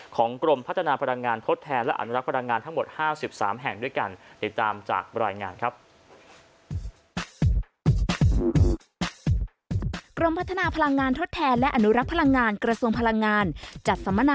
ของกรมพัฒนาพลังงานทศแทนและอนุรักษ์พลังงาน